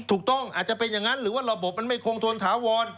ถูกต้องอาจจะเป็นอย่างนั้นหรือว่าระบบมันไม่คงทนถาวร